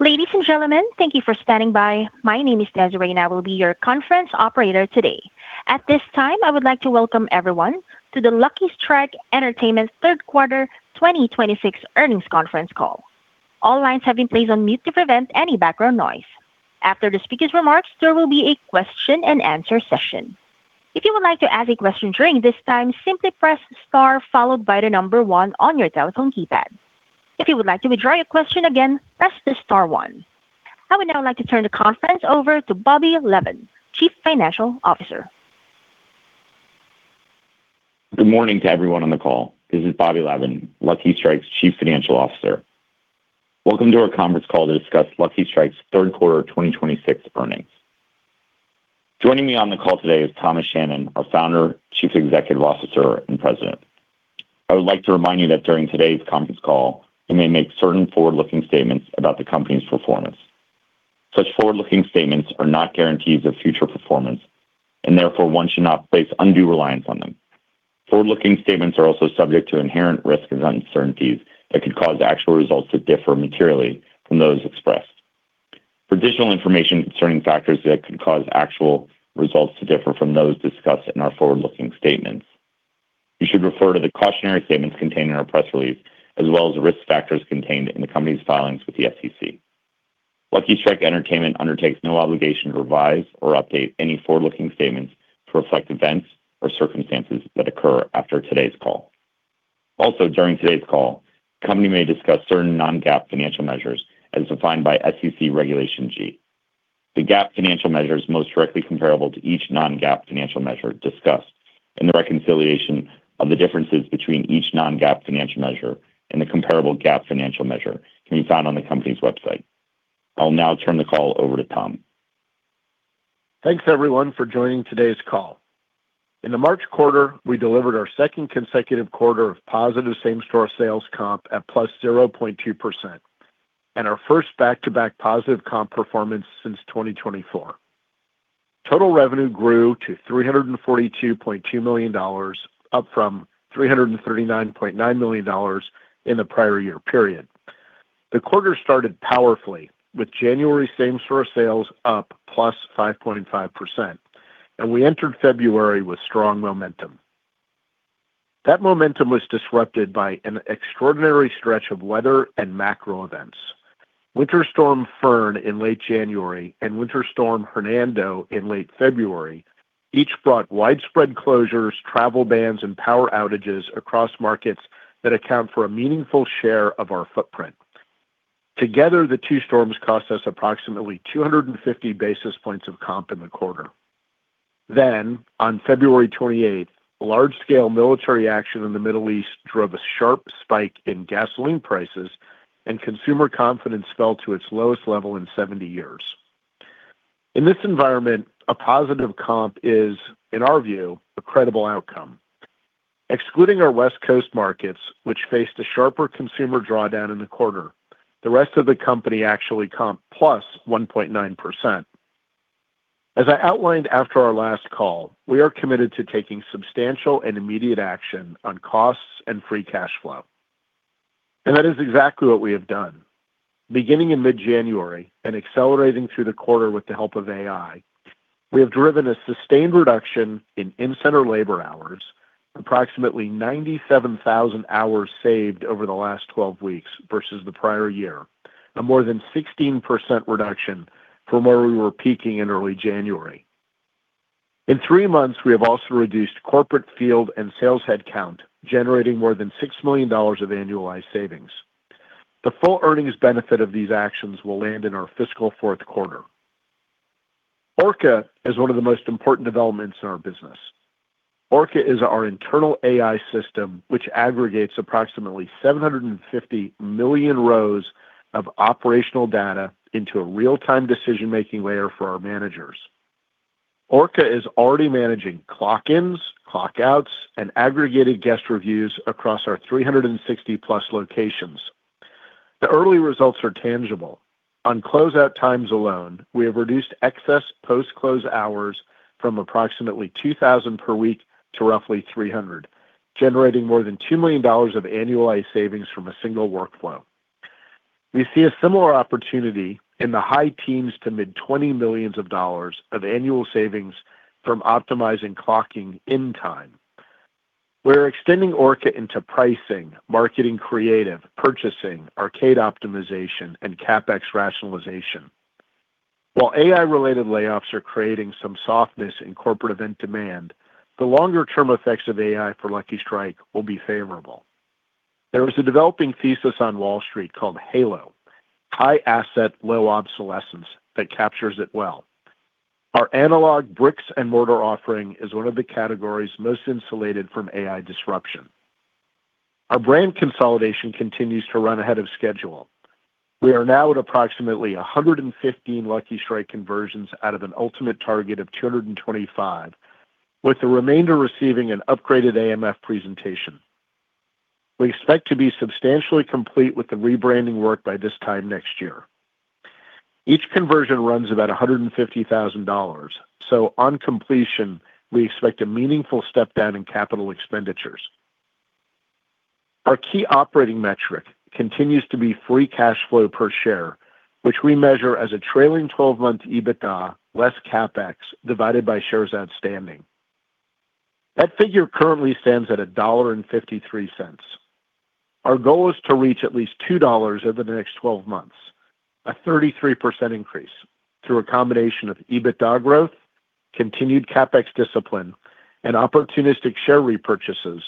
Ladies and gentlemen, thank you for standing by. My name is Desiree, and I will be your conference operator today. At this time, I would like to welcome everyone to the Lucky Strike Entertainment Third Quarter 2026 Earnings Conference Call. All lines have been placed on mute to prevent any background noise. After the speaker's remarks, there will be a question-and-answer session. If you would like to ask a question during this time, simply press star followed by one on your telephone keypad. If you would like to withdraw your question again, press the star one. I would now like to turn the conference over to Bobby Lavan, Chief Financial Officer. Good morning to everyone on the call. This is Bobby Lavan, Lucky Strike's Chief Financial Officer. Welcome to our conference call to discuss Lucky Strike's Q3 2026 earnings. Joining me on the call today is Thomas Shannon, our Founder, Chief Executive Officer, and President. I would like to remind you that during today's conference call we may make certain forward-looking statements about the company's performance. Such forward-looking statements are not guarantees of future performance, and therefore one should not place undue reliance on them. Forward-looking statements are also subject to inherent risks and uncertainties that could cause actual results to differ materially from those expressed. For additional information concerning factors that could cause actual results to differ from those discussed in our forward-looking statements, you should refer to the cautionary statements contained in our press release as well as risk factors contained in the company's filings with the SEC. Lucky Strike Entertainment undertakes no obligation to revise or update any forward-looking statements to reflect events or circumstances that occur after today's call. Also, during today's call, company may discuss certain non-GAAP financial measures as defined by SEC Regulation G. The GAAP financial measure is most directly comparable to each non-GAAP financial measure discussed, and the reconciliation of the differences between each non-GAAP financial measure and the comparable GAAP financial measure can be found on the company's website. I'll now turn the call over to Tom. Thanks everyone for joining today's call. In the March quarter, we delivered our second consecutive quarter of positive same-store sales comp at +0.2% and our first back-to-back positive comp performance since 2024. Total revenue grew to $342.2 million, up from $339.9 million in the prior year period. The quarter started powerfully with January same-store sales up +5.5%, we entered February with strong momentum. That momentum was disrupted by an extraordinary stretch of weather and macro events. Winter Storm Fern in late January and Winter Storm Hernando in late February each brought widespread closures, travel bans, and power outages across markets that account for a meaningful share of our footprint. Together, the two storms cost us approximately 250 basis points of comp in the quarter. On February 28th, large-scale military action in the Middle East drove a sharp spike in gasoline prices, and consumer confidence fell to its lowest level in 70 years. In this environment, a positive comp is, in our view, a credible outcome. Excluding our West Coast markets, which faced a sharper consumer drawdown in the quarter, the rest of the company actually comped plus 1.9%. As I outlined after our last call, we are committed to taking substantial and immediate action on costs and free cash flow, and that is exactly what we have done. Beginning in mid-January and accelerating through the quarter with the help of AI, we have driven a sustained reduction in in-center labor hours, approximately 97,000 hours saved over the last 12 weeks versus the prior year. A more than 16% reduction from where we were peaking in early January. In three months, we have also reduced corporate field and sales headcount, generating more than $6 million of annualized savings. The full earnings benefit of these actions will land in our fiscal fourth quarter. Orca is one of the most important developments in our business. Orca is our internal AI system, which aggregates approximately 750 million rows of operational data into a real-time decision-making layer for our managers. Orca is already managing clock-ins, clock-outs, and aggregated guest reviews across our 360-plus locations. The early results are tangible. On closeout times alone, we have reduced excess post-close hours from approximately 2,000 per week to roughly 300, generating more than $2 million of annualized savings from a single workflow. We see a similar opportunity in the high teens to mid-$20 millions of annual savings from optimizing clocking in time. We're extending Orca into pricing, marketing creative, purchasing, arcade optimization, and CapEx rationalization. While AI-related layoffs are creating some softness in corporate event demand, the longer-term effects of AI for Lucky Strike will be favorable. There is a developing thesis on Wall Street called HALO, High Asset, Low Obsolescence, that captures it well. Our analog bricks and mortar offering is one of the categories most insulated from AI disruption. Our brand consolidation continues to run ahead of schedule. We are now at approximately 115 Lucky Strike conversions out of an ultimate target of 225, with the remainder receiving an upgraded AMF presentation. We expect to be substantially complete with the rebranding work by this time next year. Each conversion runs about $150,000. On completion, we expect a meaningful step down in capital expenditures. Our key operating metric continues to be Free Cash Flow per Share, which we measure as a trailing 12-month EBITDA less CapEx divided by shares outstanding. That figure currently stands at $1.53. Our goal is to reach at least $2 over the next 12 months, a 33% increase through a combination of EBITDA growth, continued CapEx discipline, and opportunistic share repurchases,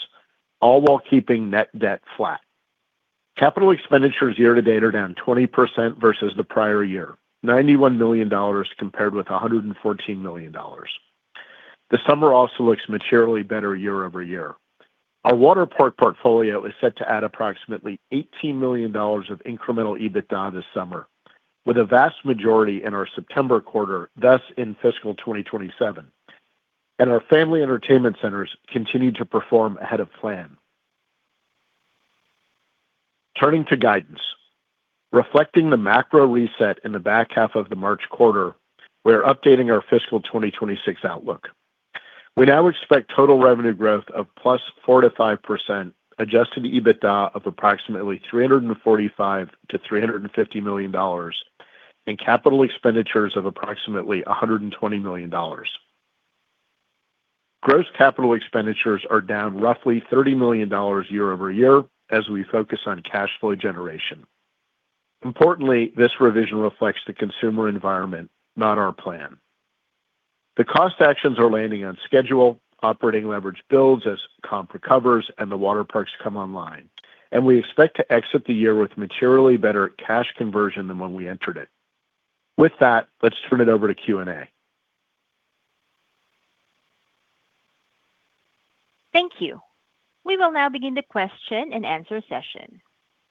all while keeping net debt flat. Capital expenditures year-to-date are down 20% versus the prior year, $91 million compared with $114 million. The summer also looks materially better year-over-year. Our water park portfolio is set to add approximately $18 million of incremental EBITDA this summer, with a vast majority in our September quarter, thus in fiscal 2027. Our family entertainment centers continue to perform ahead of plan. Turning to guidance. Reflecting the macro reset in the back half of the March quarter, we're updating our fiscal 2026 outlook. We now expect total revenue growth of +4%-5%, adjusted EBITDA of approximately $345 million-$350 million, and capital expenditures of approximately $120 million. Gross capital expenditures are down roughly $30 million year-over-year as we focus on cash flow generation. Importantly, this revision reflects the consumer environment, not our plan. The cost actions are landing on schedule, operating leverage builds as comp recovers and the water parks come online, and we expect to exit the year with materially better cash conversion than when we entered it. With that, let's turn it over to Q&A. Thank you. We will now begin the question-and-answer session.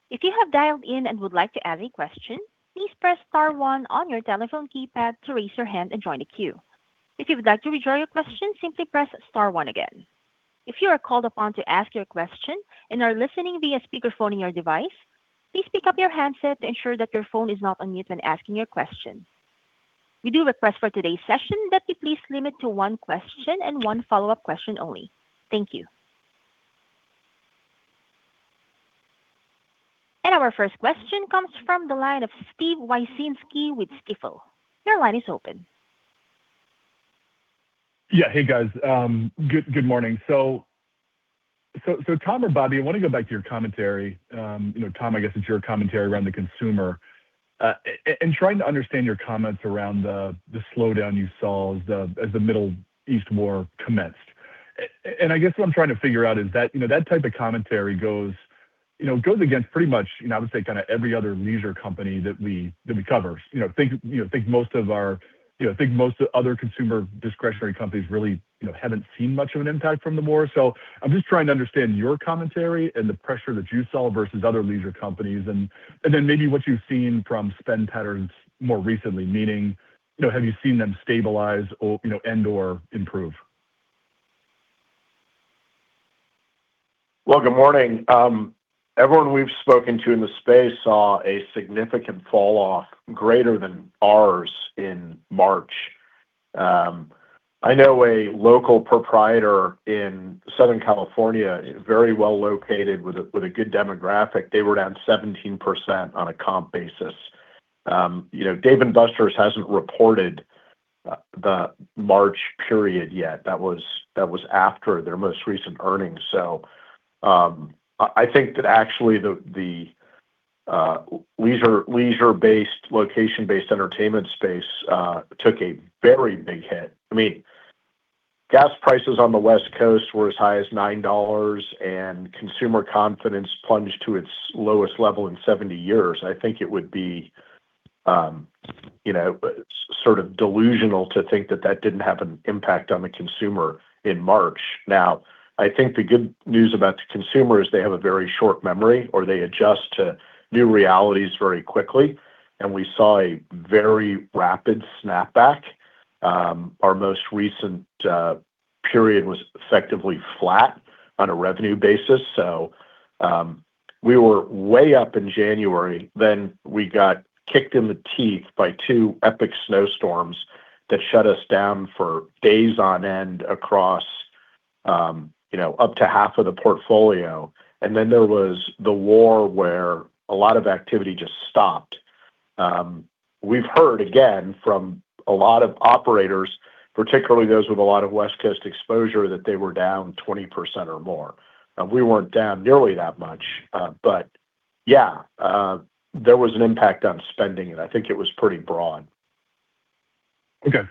If you have dialed in and would like to ask a question, please press star one on your telephone keypad to raise your hand and join the queue. If you would like to withdraw your question, simply press star one again. If you are called upon to ask your question and are listening via speakerphone in your device, please pick up your handset to ensure that your phone is not on mute when asking your question. We do request for today's session that we please limit to one question and one follow-up question only. Thank you. Our first question comes from the line of Steve Wieczynski with Stifel. Your line is open. Yeah. Hey, guys. Good morning. Tom or Bobby, I want to go back to your commentary. You know, Tom, I guess it's your commentary around the consumer. And trying to understand your comments around the slowdown you saw as the Middle East war commenced. And I guess what I'm trying to figure out is that, you know, that type of commentary goes against pretty much, you know, I would say kind of every other leisure company that we cover. You know, think most of other consumer discretionary companies really, you know, haven't seen much of an impact from the war. I'm just trying to understand your commentary and the pressure that you saw versus other leisure companies and then maybe what you've seen from spend patterns more recently, meaning, you know, have you seen them stabilize or, you know, and/or improve? Well, good morning. Everyone we've spoken to in the space saw a significant fall off greater than ours in March. I know a local proprietor in Southern California, very well located with a, with a good demographic, they were down 17% on a comp basis. You know, Dave & Buster's hasn't reported the March period yet. That was after their most recent earnings. I think that actually the leisure-based, location-based entertainment space took a very big hit. I mean, gas prices on the West Coast were as high as $9, and consumer confidence plunged to its lowest level in 70 years. I think it would be, you know, sort of delusional to think that that didn't have an impact on the consumer in March. I think the good news about the consumer is they have a very short memory, or they adjust to new realities very quickly, and we saw a very rapid snapback. Our most recent period was effectively flat on a revenue basis. We were way up in January, then we got kicked in the teeth by two epic snowstorms that shut us down for days on end across up to half of the portfolio. There was the war where a lot of activity just stopped. We've heard again from a lot of operators, particularly those with a lot of West Coast exposure, that they were down 20% or more. We weren't down nearly that much, but there was an impact on spending, and I think it was pretty broad. Okay.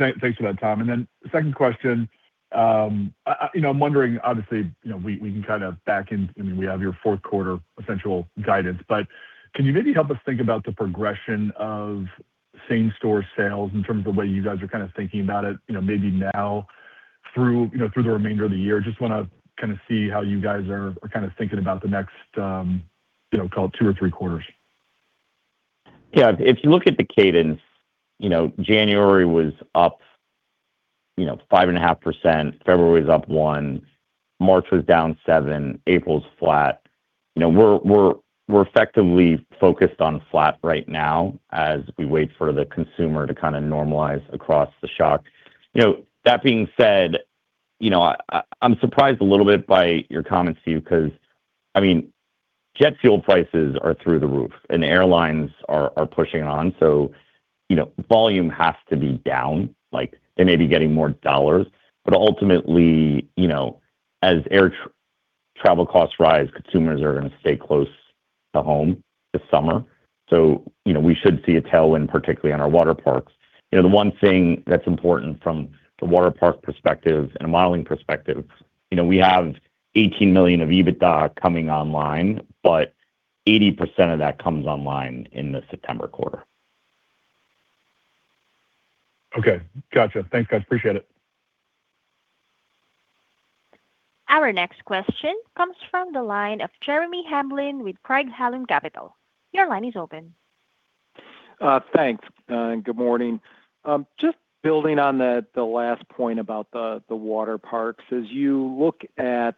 Thanks for that, Tom. Second question, I You know, I'm wondering, obviously, you know, we can kinda back in I mean, we have your fourth quarter essential guidance, can you maybe help us think about the progression of same-store sales in terms of the way you guys are kinda thinking about it, you know, maybe now through, you know, through the remainder of the year? Just wanna kinda see how you guys are kinda thinking about the next, you know, call it two or three quarters. Yeah. If you look at the cadence, you know, January was up, you know, five and a half percent, February was up 1%, March was down 7%, April's flat. You know, we're effectively focused on flat right now as we wait for the consumer to kind of normalize across the shock. You know, that being said, you know, I'm surprised a little bit by your comments, Steve, 'cause I mean, jet fuel prices are through the roof and airlines are pushing on. You know, volume has to be down. Like, they may be getting more dollars, but ultimately, you know, as air travel costs rise, consumers are gonna stay close to home this summer. You know, we should see a tailwind, particularly on our water parks. You know, the one thing that's important from the water park perspective and a modeling perspective, you know, we have $18 million of EBITDA coming online, but 80% of that comes online in the September quarter. Okay. Gotcha. Thanks, guys. Appreciate it. Our next question comes from the line of Jeremy Hamblin with Craig-Hallum Capital. Your line is open. Thanks, good morning. Just building on the last point about the water parks. As you look at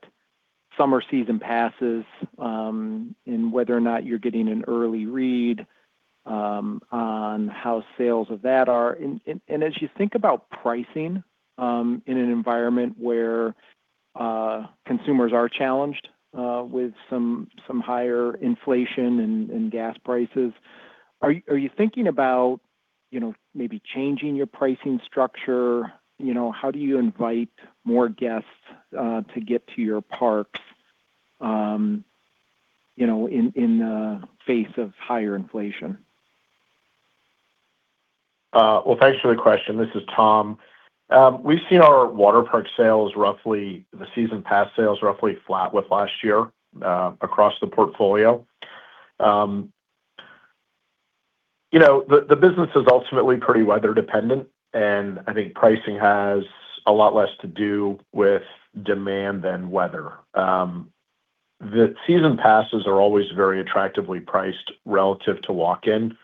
summer season passes, and whether or not you're getting an early read, on how sales of that are, and as you think about pricing, in an environment where consumers are challenged with some higher inflation and gas prices, are you thinking about, you know, maybe changing your pricing structure? You know, how do you invite more guests to get to your parks, you know, in the face of higher inflation? Well, thanks for the question. This is Tom. We've seen our water park sales roughly-- the season pass sales roughly flat with last year across the portfolio. You know, the business is ultimately pretty weather dependent, and I think pricing has a lot less to do with demand than weather. The season passes are always very attractively priced relative to walk-in.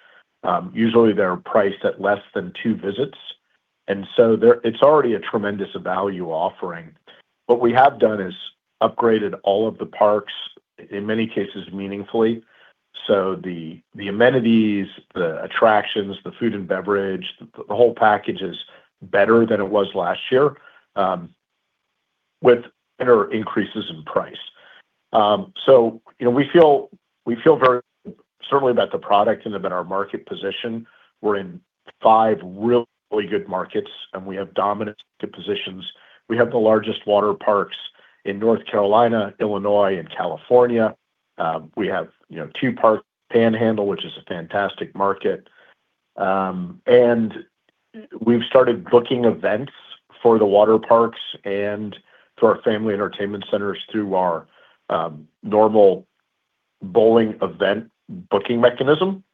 Usually they're priced at less than two visits, and so it's already a tremendous value offering. What we have done is upgraded all of the parks, in many cases meaningfully. The amenities, the attractions, the food and beverage, the whole package is better than it was last year, with better increases in price. You know, we feel very certainly about the product and about our market position. We're in five really good markets, and we have dominant good positions. We have the largest water parks in North Carolina, Illinois, and California. We have, you know, two-park Panhandle, which is a fantastic market. We've started booking events for the water parks and for our family entertainment centers through our normal bowling event booking mechanism.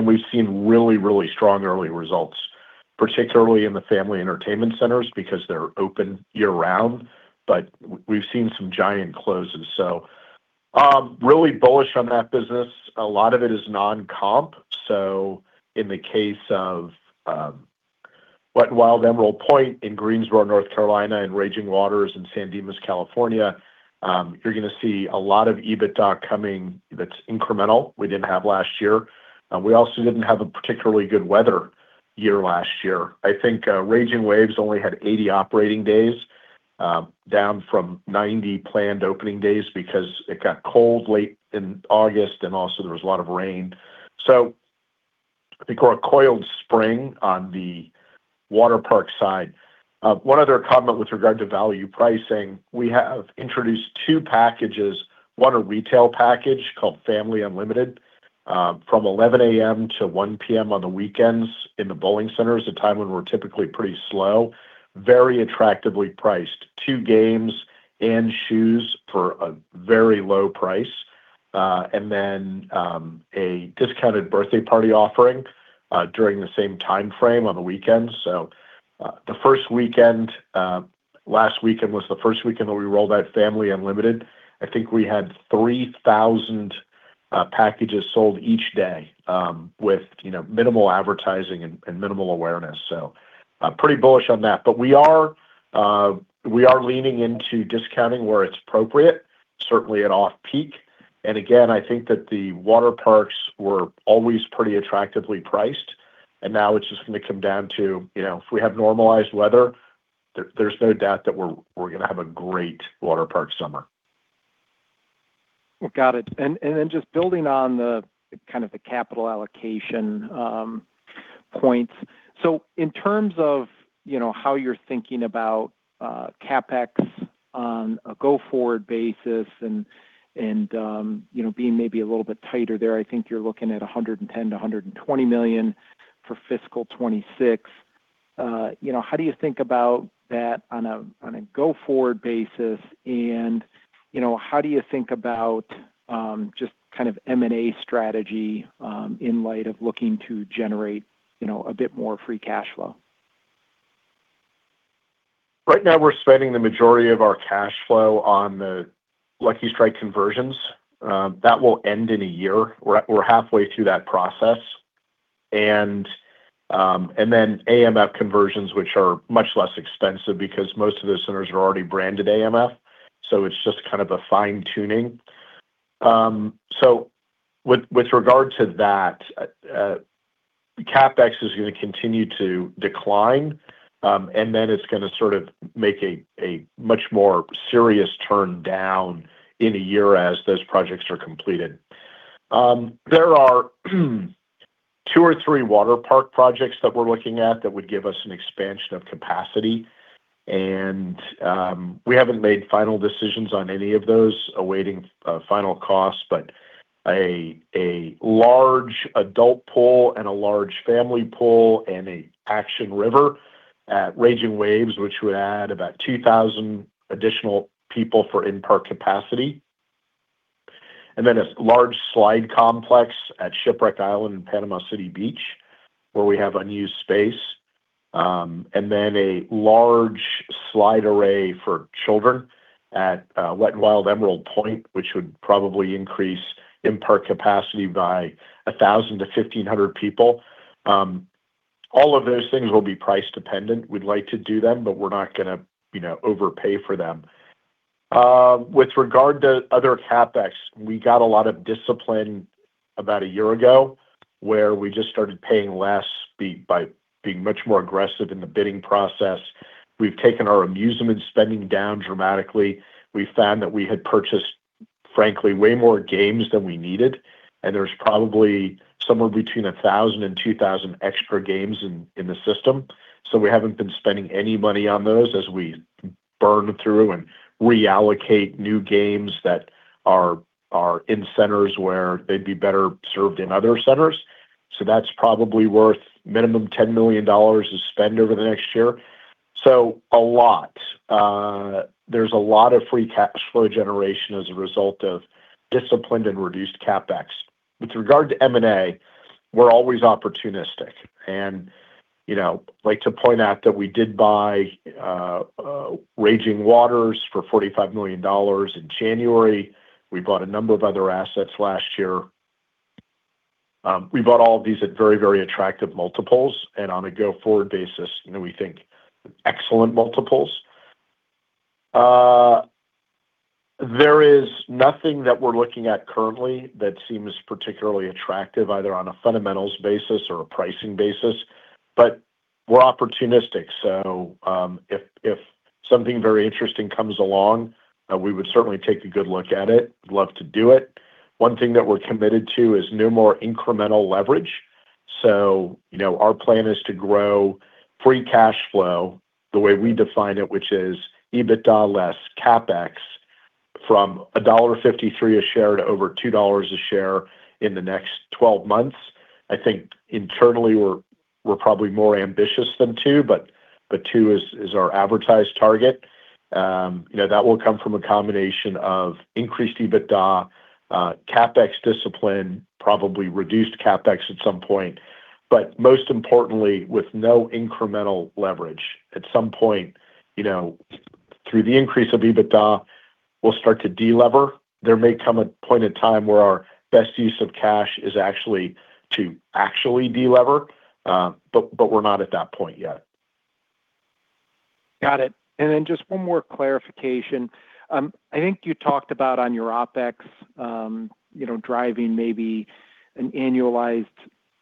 We've seen really, really strong early results, particularly in the family entertainment centers because they're open year-round. We've seen some giant closes. Really bullish on that business. A lot of it is non-comp. In the case of Wet 'n Wild Emerald Pointe in Greensboro, North Carolina, and Raging Waters in San Dimas, California, you're gonna see a lot of EBITDA coming that's incremental we didn't have last year. We also didn't have a particularly good weather year last year. I think Raging Waves only had 80 operating days, down from 90 planned opening days because it got cold late in August and also there was a lot of rain. I think we're a coiled spring on the water park side. One other comment with regard to value pricing. We have introduced two packages, one a retail package called Family Unlimited, from 11:00 A.M. to 1:00 P.M. on the weekends in the bowling centers, a time when we're typically pretty slow. Very attractively priced, two games and shoes for a very low price. A discounted birthday party offering during the same timeframe on the weekends. The first weekend, last weekend was the first weekend that we rolled out Family Unlimited. I think we had 3,000 packages sold each day, with, you know, minimal advertising and minimal awareness. I'm pretty bullish on that. We are leaning into discounting where it's appropriate, certainly at off-peak. Again, I think that the water parks were always pretty attractively priced, and now it's just gonna come down to, you know, if we have normalized weather, there's no doubt that we're gonna have a great water park summer. Got it. Just building on the kind of the capital allocation points. In terms of, you know, how you're thinking about CapEx on a go-forward basis and, you know, being maybe a little bit tighter there, I think you're looking at $110 million-$120 million for fiscal 2026. You know, how do you think about that on a go-forward basis? You know, how do you think about just kind of M&A strategy in light of looking to generate, you know, a bit more free cash flow? Right now we're spending the majority of our cash flow on the Lucky Strike conversions. That will end in a year. We're halfway through that process. Then AMF conversions, which are much less expensive because most of those centers are already branded AMF, so it's just kind of a fine-tuning. With regard to that, the CapEx is gonna continue to decline, and then it's gonna sort of make a much more serious turn down in a year as those projects are completed. There are two or three water park projects that we're looking at that would give us an expansion of capacity. We haven't made final decisions on any of those, awaiting final costs. A large adult pool and a large family pool and a action river at Raging Waves, which would add about 2,000 additional people for in-park capacity. A large slide complex at Shipwreck Island in Panama City Beach, where we have unused space. A large slide array for children at Wet 'n Wild Emerald Pointe, which would probably increase in-park capacity by 1,000-1,500 people. All of those things will be price-dependent. We'd like to do them, we're not gonna, you know, overpay for them. With regard to other CapEx, we got a lot of discipline about a year ago, where we just started paying less by being much more aggressive in the bidding process. We've taken our amusement spending down dramatically. We found that we had purchased, frankly, way more games than we needed, and there's probably somewhere between 1,000 and 2,000 extra games in the system. We haven't been spending any money on those as we burn through and reallocate new games that are in centers where they'd be better served in other centers. That's probably worth minimum $10 million to spend over the next year. So a lot. There's a lot of free cash flow generation as a result of disciplined and reduced CapEx. With regard to M&A, we're always opportunistic. You know, like to point out that we did buy Raging Waters for $45 million in January. We bought a number of other assets last year. We bought all of these at very, very attractive multiples, and on a go-forward basis, you know, we think excellent multiples. There is nothing that we're looking at currently that seems particularly attractive, either on a fundamentals basis or a pricing basis, but we're opportunistic. If something very interesting comes along, we would certainly take a good look at it. Love to do it. One thing that we're committed to is no more incremental leverage. You know, our plan is to grow free cash flow the way we define it, which is EBITDA less CapEx, from $1.53 a share to over $2 a share in the next 12 months. I think internally we're probably more ambitious than $2 is our advertised target. You know, that will come from a combination of increased EBITDA, CapEx discipline, probably reduced CapEx at some point. Most importantly, with no incremental leverage. At some point, you know, through the increase of EBITDA, we'll start to de-lever. There may come a point in time where our best use of cash is actually to de-lever. We're not at that point yet. Got it. Just one more clarification. I think you talked about on your OpEx, you know, driving maybe an annualized,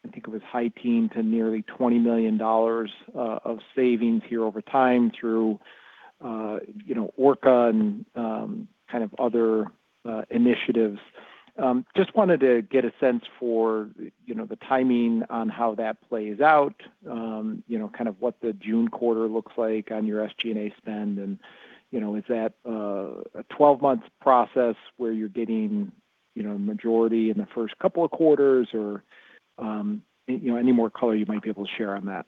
I think it was high teen to nearly $20 million of savings here over time through, you know, Orca and kind of other initiatives. Just wanted to get a sense for, you know, the timing on how that plays out. You know, kind of what the June quarter looks like on your SG&A spend. You know, is that a 12-month process where you're getting, you know, majority in the first couple of quarters or, you know, any more color you might be able to share on that?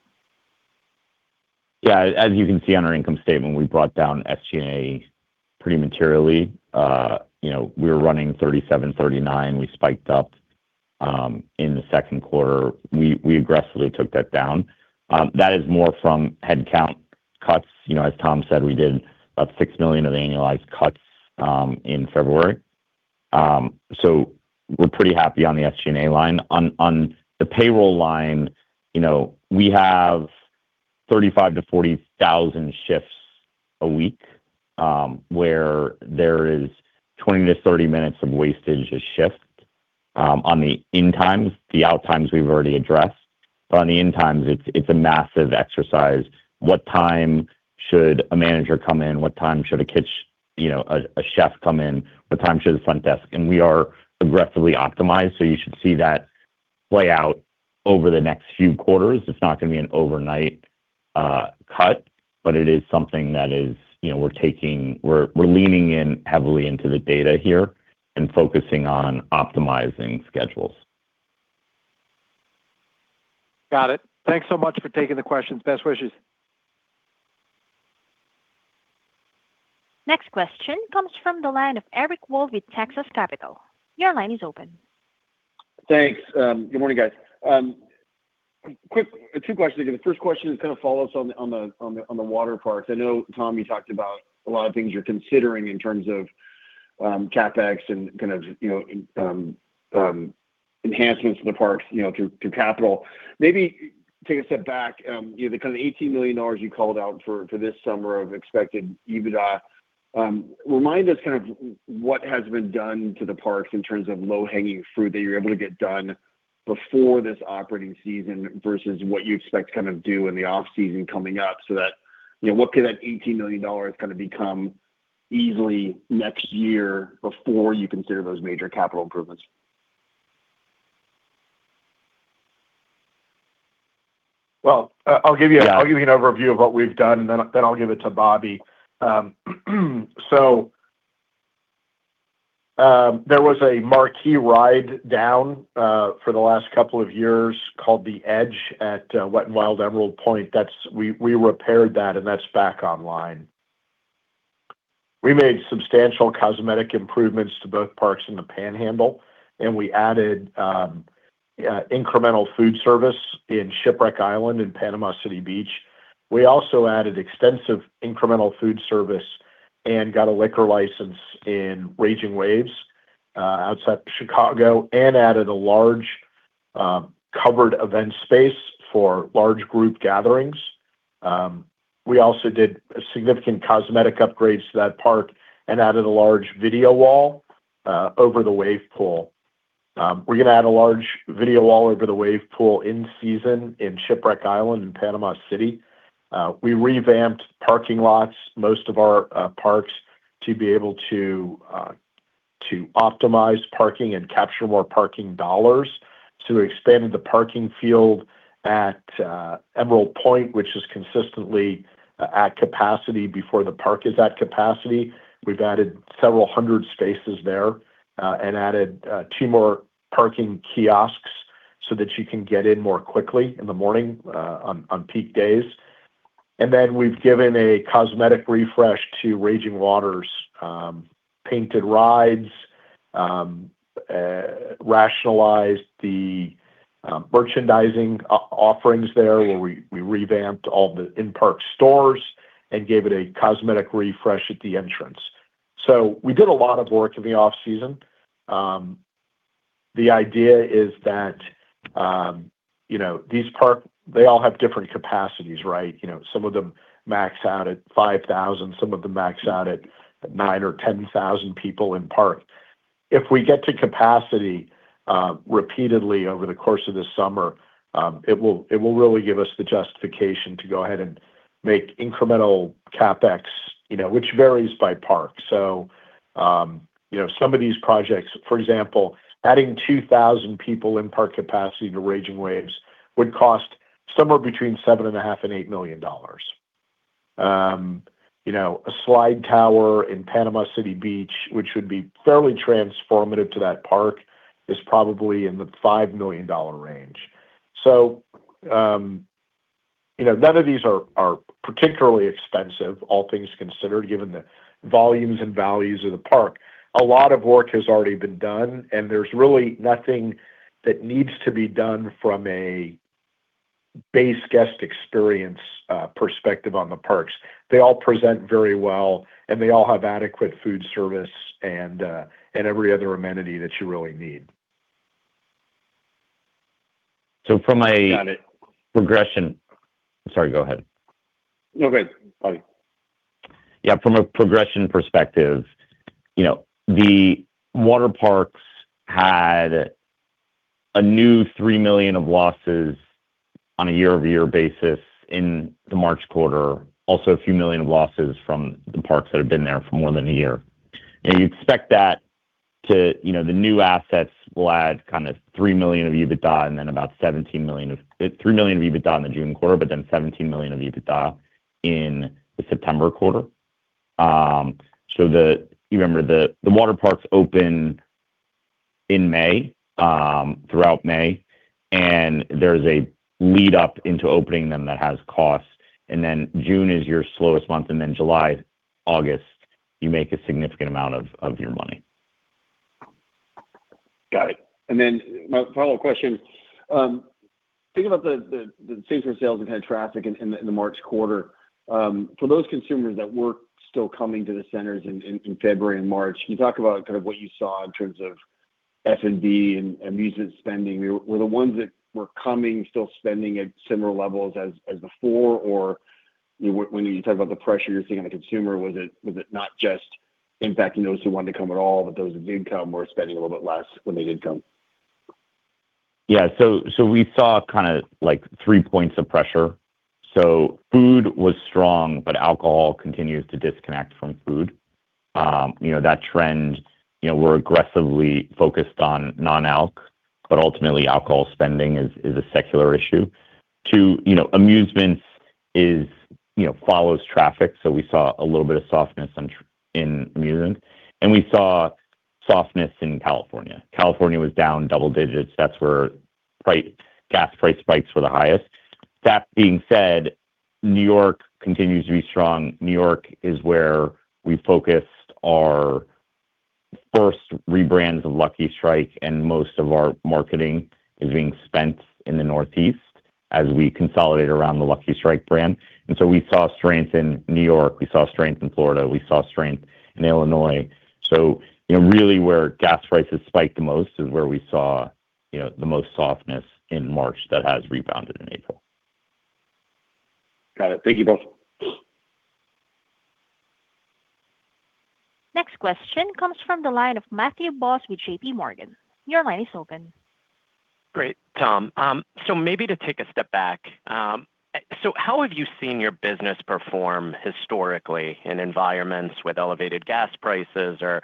Yeah. As you can see on our income statement, we brought down SG&A pretty materially. You know, we were running 37%, 39%. We spiked up in the second quarter. We aggressively took that down. That is more from headcount cuts. You know, as Tom said, we did about $6 million of annualized cuts in February. So we're pretty happy on the SG&A line. On the payroll line, you know, we have 35,000-40,000 shifts a week, where there is 20-30 minutes of wastage a shift on the in times. The out times we've already addressed. On the in times it's a massive exercise. What time should a manager come in? What time should a chef come in? What time should the front desk? We are aggressively optimized, so you should see that play out over the next few quarters. It's not gonna be an overnight cut, but it is something that is, you know, we're leaning in heavily into the data here and focusing on optimizing schedules. Got it. Thanks so much for taking the questions. Best wishes. Next question comes from the line of Eric Wold with Texas Capital. Your line is open. Thanks. Good morning, guys. Quick two questions. The first question is kind of a follow-up on the water parks. I know, Tom, you talked about a lot of things you're considering in terms of CapEx and kind of, you know, enhancements to the parks, you know, to capital. Maybe take a step back, you know, the kind of $18 million you called out for this summer of expected EBITDA. Remind us kind of what has been done to the parks in terms of low-hanging fruit that you're able to get done before this operating season versus what you expect to kind of do in the off-season coming up so that, you know, what could that $18 million kind of become easily next year before you consider those major capital improvements? Well, I'll give you- Yeah I'll give you an overview of what we've done and then I'll give it to Bobby. There was a marquee ride down for the last couple of years called The Edge at Wet 'n Wild Emerald Pointe. We repaired that, and that's back online. We made substantial cosmetic improvements to both parks in the Panhandle, and we added incremental food service in Shipwreck Island in Panama City Beach. We also added extensive incremental food service and got a liquor license in Raging Waves outside Chicago, and added a large covered event space for large group gatherings. We also did a significant cosmetic upgrades to that park and added a large video wall over the wave pool. We're gonna add a large video wall over the wave pool in season in Shipwreck Island in Panama City. We revamped parking lots, most of our parks to be able to optimize parking and capture more parking dollars. We expanded the parking field at Emerald Pointe, which is consistently at capacity before the park is at capacity. We've added several hundred spaces there and added two more parking kiosks so that you can get in more quickly in the morning on peak days. We've given a cosmetic refresh to Raging Waters', painted rides, rationalized the merchandising offerings there, where we revamped all the in-park stores and gave it a cosmetic refresh at the entrance. We did a lot of work in the off-season. The idea is that, you know, They all have different capacities, right? You know, some of them max out at 5,000, some of them max out at 9,000 or 10,000 people in park. If we get to capacity repeatedly over the course of the summer, it will really give us the justification to go ahead and make incremental CapEx, you know, which varies by park. You know, some of these projects, for example, adding 2,000 people in park capacity to Raging Waves would cost somewhere between $7.5 million and $8 million. You know, a slide tower in Panama City Beach, which would be fairly transformative to that park, is probably in the $5 million range. You know, none of these are particularly expensive, all things considered, given the volumes and values of the park. A lot of work has already been done, and there's really nothing that needs to be done from a base guest experience perspective on the parks. They all present very well, and they all have adequate food service and every other amenity that you really need. So from a- Got it. progression. Sorry, go ahead. No, go ahead, Bobby. Yeah, from a progression perspective, you know, the water parks had a new $3 million of losses on a year-over-year basis in the March quarter. Also, a few million of losses from the parks that have been there for more than a year. The new assets will add kind of $3 million of EBITDA and then about $17 million of $3 million of EBITDA in the June quarter, but then $17 million of EBITDA in the September quarter. The water parks open in May throughout May, there's a lead-up into opening them that has costs. June is your slowest month. July, August, you make a significant amount of your money. Got it. My follow-up question. Thinking about the same-store sales and kind of traffic in the March quarter. For those consumers that weren't still coming to the centers in February and March, can you talk about kind of what you saw in terms of F&B and amusement spending? Were the ones that were coming still spending at similar levels as before? You know, when you talk about the pressure you're seeing on the consumer, was it not just impacting those who wanted to come at all, but those who did come were spending a little bit less when they did come? Yeah. We saw kind of like three points of pressure. Food was strong, but alcohol continues to disconnect from food. You know, that trend, you know, we're aggressively focused on non-alc, but ultimately alcohol spending is a secular issue. Two, you know, amusements is you know, follows traffic, we saw a little bit of softness in amusement. We saw softness in California. California was down double-digits. That's where gas price spikes were the highest. That being said, New York continues to be strong. New York is where we focused our first rebrands of Lucky Strike, most of our marketing is being spent in the Northeast. As we consolidate around the Lucky Strike brand. We saw strength in New York, we saw strength in Florida, we saw strength in Illinois. You know, really where gas prices spiked the most is where we saw, you know, the most softness in March that has rebounded in April. Got it. Thank you both. Next question comes from the line of Matthew Boss with JPMorgan. Your line is open. Great, Tom. Maybe to take a step back, how have you seen your business perform historically in environments with elevated gas prices or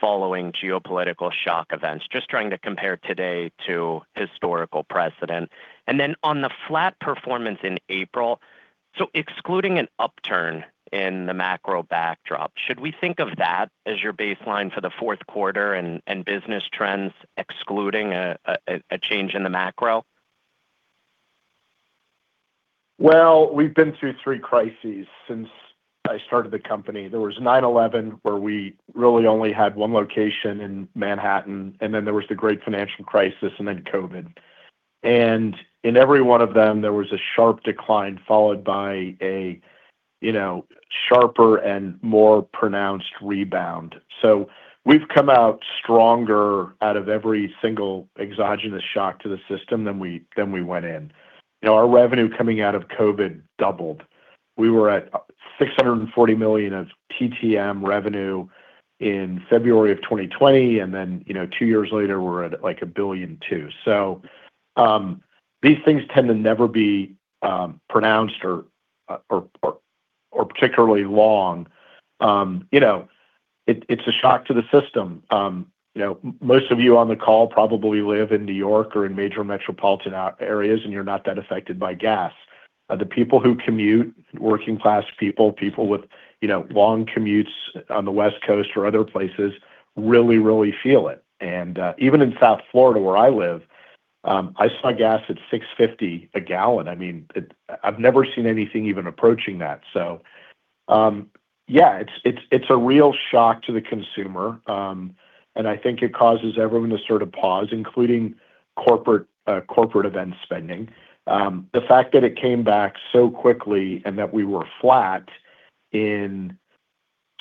following geopolitical shock events? Just trying to compare today to historical precedent. On the flat performance in April, excluding an upturn in the macro backdrop, should we think of that as your baseline for the fourth quarter and business trends excluding a change in the macro? Well, we've been through three crises since I started the company. There was 9/11 where we really only had 1 location in Manhattan, and then there was the great financial crisis, and then COVID. In every one of them, there was a sharp decline, followed by a, you know, sharper and more pronounced rebound. We've come out stronger out of every single exogenous shock to the system than we, than we went in. You know, our revenue coming out of COVID doubled. We were at $640 million of TTM revenue in February of 2020, and then, you know, two years later, we're at, like, $1.2 billion. These things tend to never be pronounced or particularly long. You know, it's a shock to the system. You know, most of you on the call probably live in New York or in major metropolitan areas, and you're not that affected by gas. The people who commute, working-class people with, you know, long commutes on the West Coast or other places really, really feel it. Even in South Florida where I live, I saw gas at $6.50 a gallon. I mean, I've never seen anything even approaching that. Yeah, it's a real shock to the consumer, and I think it causes everyone to sort of pause, including corporate event spending. The fact that it came back so quickly and that we were flat in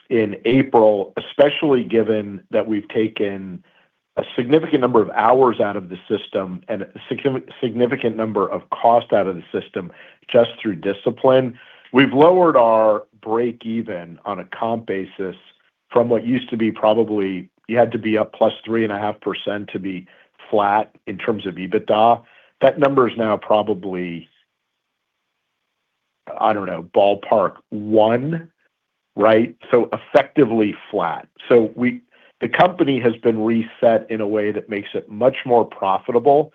April, especially given that we've taken a significant number of hours out of the system and a significant number of cost out of the system just through discipline. We've lowered our break even on a comp basis from what used to be probably you had to be up +3.5% to be flat in terms of EBITDA. That number is now probably, I don't know, ballpark one right? Effectively flat. The company has been reset in a way that makes it much more profitable,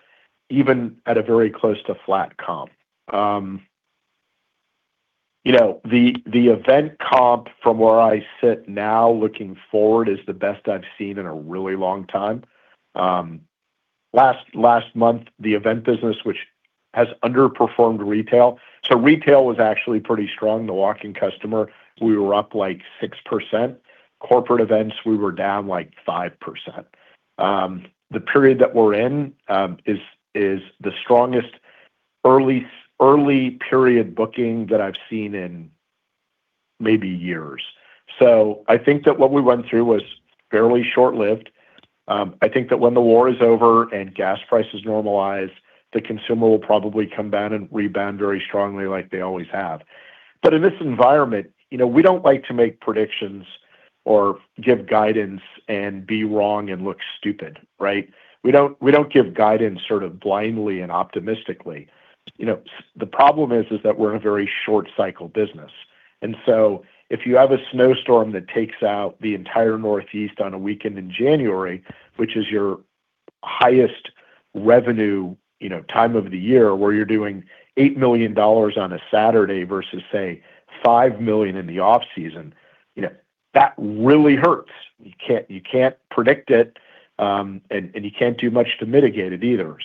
even at a very close to flat comp. You know, the event comp from where I sit now looking forward is the best I've seen in a really long time. Last month, the event business, which has underperformed retail. Retail was actually pretty strong. The walk-in customer, we were up, like, 6%. Corporate events, we were down, like, 5%. The period that we're in is the strongest early period booking that I've seen in maybe years. I think that what we went through was fairly short-lived. I think that when the war is over and gas prices normalize, the consumer will probably come back and rebound very strongly like they always have. In this environment, you know, we don't like to make predictions or give guidance and be wrong and look stupid, right. We don't give guidance sort of blindly and optimistically. You know, the problem is that we're in a very short cycle business. If you have a snowstorm that takes out the entire Northeast on a weekend in January, which is your highest revenue, you know, time of the year, where you're doing $8 million on a Saturday versus, say, $5 million in the off-season, you know, that really hurts. You can't predict it, and you can't do much to mitigate it either.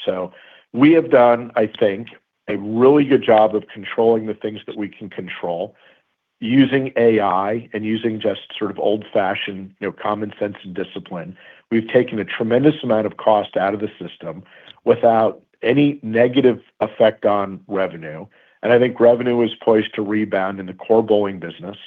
We have done, I think, a really good job of controlling the things that we can control using AI and using just sort of old-fashioned, you know, common sense and discipline. We've taken a tremendous amount of cost out of the system without any negative effect on revenue, and I think revenue is poised to rebound in the core bowling business.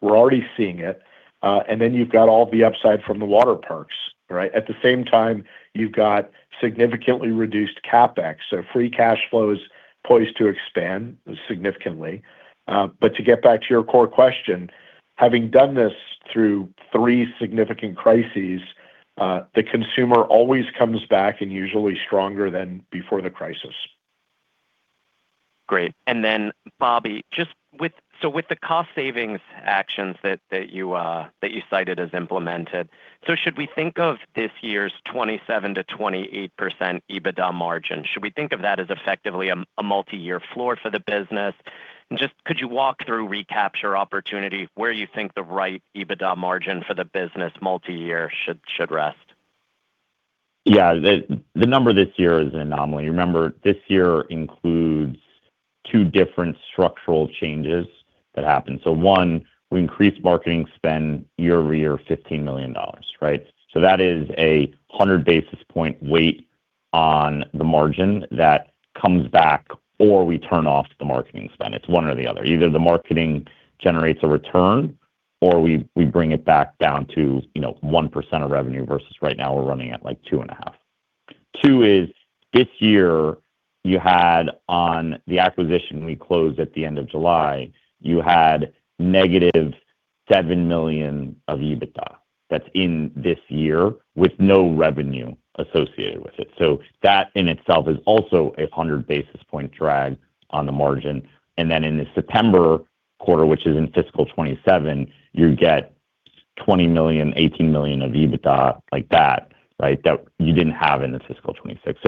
We're already seeing it. Then you've got all the upside from the water parks, right? At the same time, you've got significantly reduced CapEx. Free cash flow is poised to expand significantly. To get back to your core question, having done this through three significant crises, the consumer always comes back and usually stronger than before the crisis. Great. Bobby, just with the cost savings actions that you cited as implemented, should we think of this year's 27% to 28% EBITDA margin as effectively a multi-year floor for the business? Just could you walk through recapture opportunity where you think the right EBITDA margin for the business multi-year should rest? Yeah. The number this year is an anomaly. Remember, this year includes. Two different structural changes that happened. One, we increased marketing spend year-over-year $15 million, right. That is 100 basis point weight on the margin that comes back or we turn off the marketing spend. It's one or the other. Either the marketing generates a return or we bring it back down to, you know, 1% of revenue versus right now we're running at, like, 2.5. Two is this year you had on the acquisition we closed at the end of July, you had negative $7 million of EBITDA. That's in this year with no revenue associated with it. That in itself is also 100 basis point drag on the margin. In the September quarter, which is in fiscal 2027, you get $20 million, $18 million of EBITDA like that, right. That you didn't have in the fiscal 2026.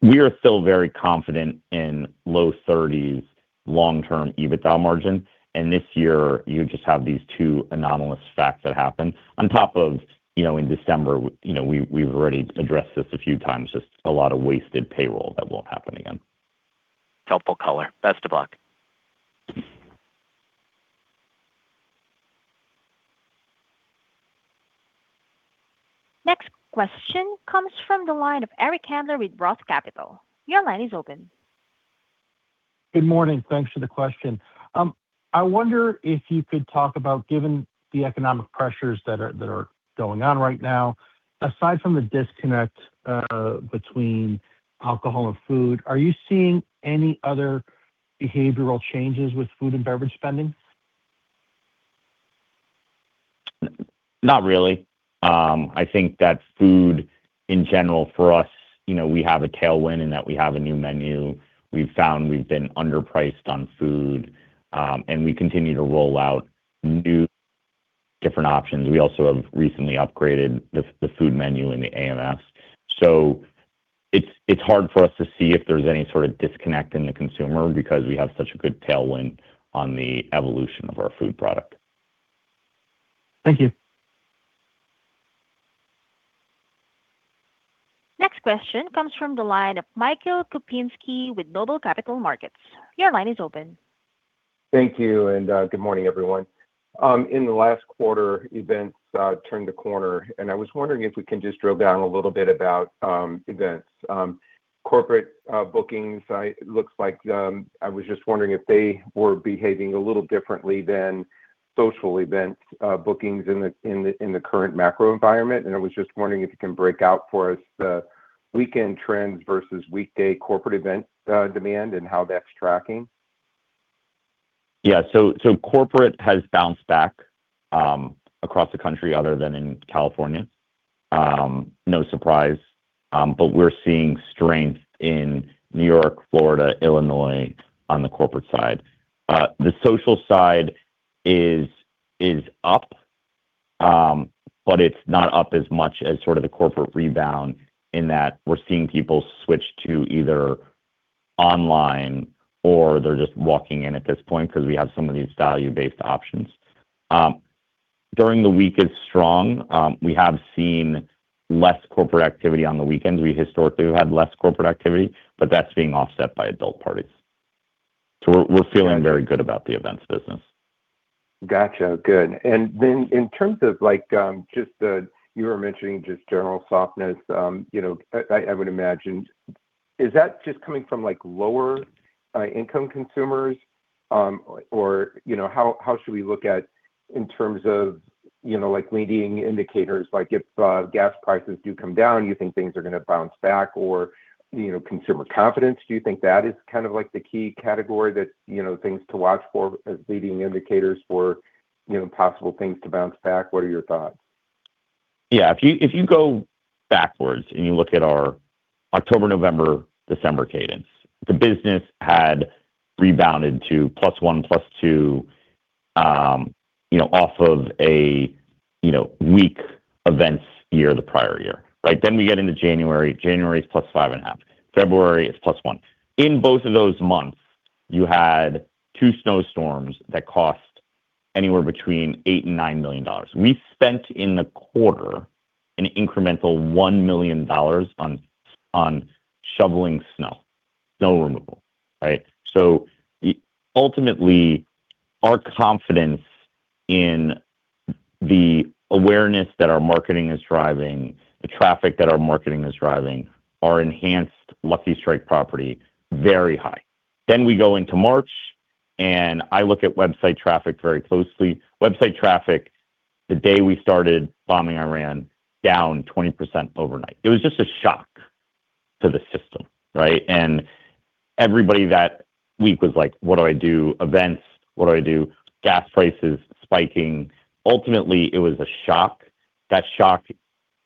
We are still very confident in low 30s long-term EBITDA margin. This year you just have these two anomalous facts that happened on top of, you know, in December, you know, we've already addressed this a few times, just a lot of wasted payroll that won't happen again. Helpful color. Best of luck. Next question comes from the line of Eric Handler with Roth Capital. Your line is open. Good morning. Thanks for the question. I wonder if you could talk about, given the economic pressures that are going on right now, aside from the disconnect between alcohol and food, are you seeing any other behavioral changes with food and beverage spending? Not really. I think that food in general for us, you know, we have a tailwind in that we have a new menu. We've found we've been underpriced on food, and we continue to roll out new different options. We also have recently upgraded the food menu in the AMFs. It's hard for us to see if there's any sort of disconnect in the consumer because we have such a good tailwind on the evolution of our food product. Thank you. Next question comes from the line of Michael Kupinski with Noble Capital Markets. Your line is open. Thank you, good morning, everyone. In the last quarter, events turned a corner, and I was wondering if we can just drill down a little bit about events. Corporate bookings, it looks like, I was just wondering if they were behaving a little differently than social events bookings in the current macro environment. I was just wondering if you can break out for us the weekend trends versus weekday corporate event demand and how that's tracking. Yeah. Corporate has bounced back across the country other than in California. No surprise. We're seeing strength in New York, Florida, Illinois on the corporate side. The social side is up, it's not up as much as sort of the corporate rebound in that we're seeing people switch to either online or they're just walking in at this point because we have some of these value-based options. During the week is strong. We have seen less corporate activity on the weekends. We historically have had less corporate activity, that's being offset by adult parties. We're feeling very good about the events business. Gotcha. Good. In terms of like, You were mentioning just general softness, you know, I would imagine. Is that just coming from like lower income consumers? Or, you know, how should we look at in terms of, you know, like leading indicators, like if gas prices do come down, you think things are gonna bounce back or, you know, consumer confidence, do you think that is kind of like the key category that, you know, things to watch for as leading indicators for, you know, possible things to bounce back? What are your thoughts? Yeah. If you go backwards and you look at our October, November, December cadence, the business had rebounded to +1, +2, you know, off of a, you know, weak events year the prior year, right? We get into January. January is +5.5. February is +1. In both of those months, you had two snowstorms that cost anywhere between $8 million-$9 million. We spent in the quarter an incremental $1 million on shoveling snow removal, right? Ultimately, our confidence in the awareness that our marketing is driving, the traffic that our marketing is driving, our enhanced Lucky Strike property, very high. We go into March, I look at website traffic very closely. Website traffic the day we started bombing Iran, down 20% overnight. It was just a shock to the system, right? Everybody that week was like, "What do I do? Events, what do I do? Gas prices spiking." Ultimately, it was a shock. That shock,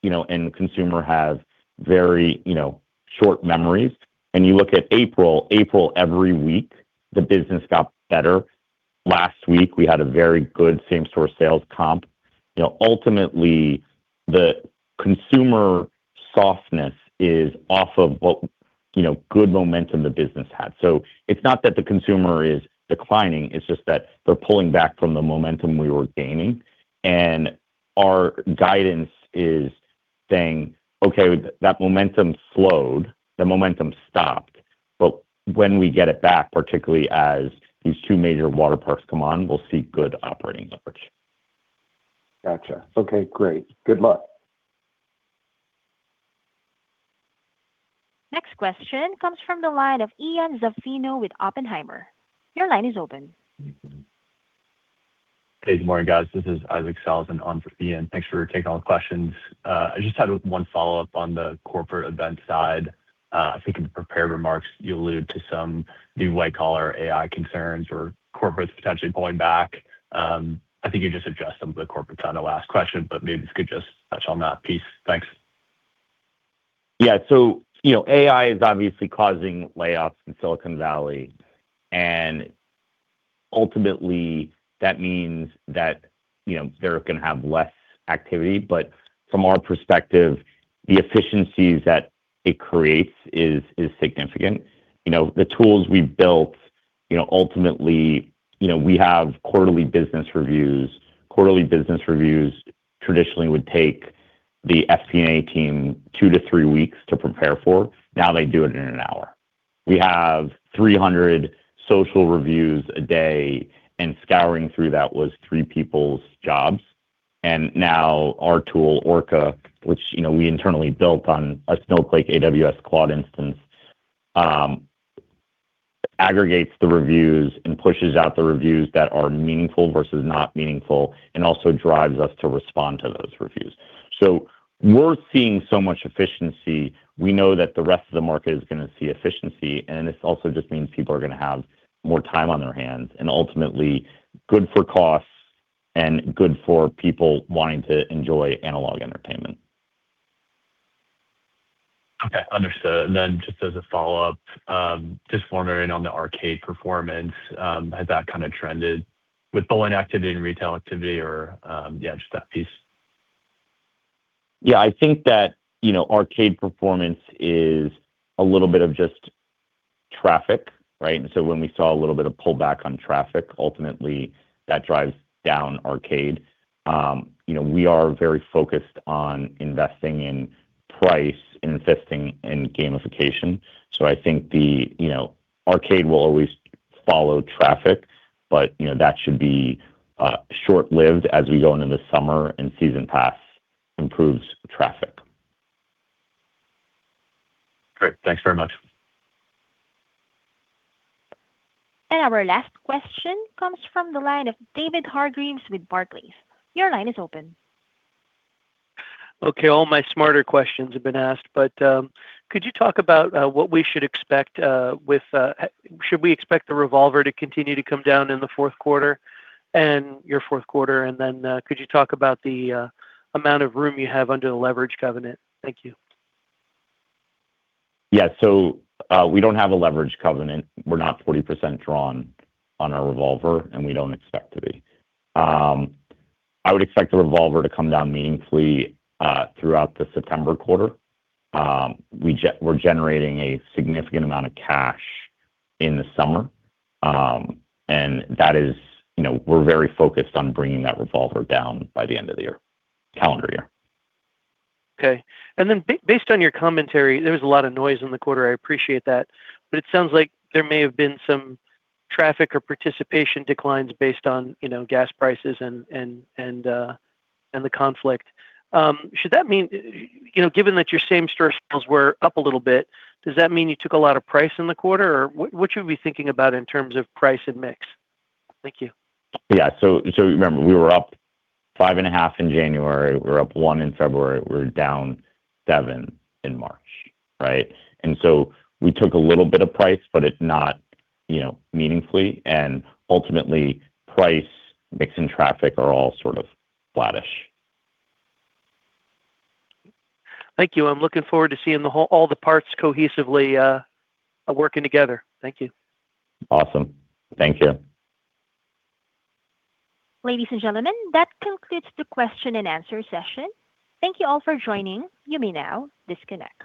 you know, and consumer have very, you know, short memories. You look at April. April, every week, the business got better. Last week, we had a very good same-store sales comp. You know, ultimately, the consumer softness is off of what, you know, good momentum the business had. It's not that the consumer is declining, it's just that they're pulling back from the momentum we were gaining. Our guidance is saying, okay, that momentum slowed, the momentum stopped. When we get it back, particularly as these two major water parks come on, we'll see good operating leverage. Gotcha. Okay, great. Good luck. Next question comes from the line of Ian Zaffino with Oppenheimer. Your line is open. Hey, good morning, guys. This is Isaac Sellhausen on for Ian. Thanks for taking all the questions. I just had one follow-up on the corporate event side. I think in prepared remarks, you allude to some new white collar AI concerns or corporates potentially pulling back. I think you just addressed some of the corporate side in the last question, but maybe just could just touch on that piece. Thanks. You know, AI is obviously causing layoffs in Silicon Valley, and ultimately that means that, you know, they're gonna have less activity. From our perspective, the efficiencies that it creates is significant. You know, the tools we've built, you know, ultimately, you know, we have quarterly business reviews. Quarterly business reviews traditionally would take the FP&A team two-three weeks to prepare for. Now they do it in an hour. We have 300 social reviews a day, and scouring through that was three people's jobs. Now our tool, Orca, which, you know, we internally built on a Snowflake AWS cloud instance, aggregates the reviews and pushes out the reviews that are meaningful versus not meaningful, and also drives us to respond to those reviews. We're seeing so much efficiency. We know that the rest of the market is going to see efficiency, this also just means people are going to have more time on their hands, ultimately good for costs and good for people wanting to enjoy analog entertainment. Okay. Understood. Just as a follow-up, just wondering on the arcade performance, has that kind of trended with bowling activity and retail activity or just that piece? Yeah, I think that, you know, arcade performance is a little bit of just traffic, right? When we saw a little bit of pullback on traffic, ultimately that drives down arcade. You know, we are very focused on investing in price, investing in gamification. I think the, you know, arcade will always follow traffic, but, you know, that should be short-lived as we go into the summer and season pass improves traffic. Great. Thanks very much. Our last question comes from the line of David Hargreaves with Barclays. Your line is open. Okay, all my smarter questions have been asked. Could you talk about what we should expect Should we expect the revolver to continue to come down in the fourth quarter, and your fourth quarter? Then could you talk about the amount of room you have under the leverage covenant? Thank you. Yeah. We don't have a leverage covenant. We're not 40% drawn on our revolver, and we don't expect to be. I would expect the revolver to come down meaningfully throughout the September quarter. We're generating a significant amount of cash in the summer, and that is You know, we're very focused on bringing that revolver down by the end of the year, calendar year. Okay. Based on your commentary, there was a lot of noise in the quarter, I appreciate that, but it sounds like there may have been some traffic or participation declines based on, you know, gas prices and the conflict. Should that mean You know, given that your same-store sales were up a little bit, does that mean you took a lot of price in the quarter? What should we be thinking about in terms of price and mix? Thank you. Remember, we were up 5.5% in January. We were up 1% in February. We're down 7% in March, right. We took a little bit of price, but it's not, you know, meaningfully, and ultimately price, mix, and traffic are all sort of flattish. Thank you. I'm looking forward to seeing all the parts cohesively working together. Thank you. Awesome. Thank you. Ladies and gentlemen, that concludes the question and answer session. Thank you all for joining. You may now disconnect.